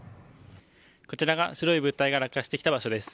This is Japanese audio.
こちらが白い物体が落下してきた場所です。